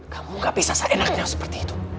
kamu gak bisa seenaknya seperti itu